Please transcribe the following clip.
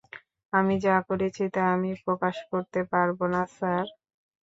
আমি যা করেছি তা আমি প্রকাশ করতে পারব না, স্যার।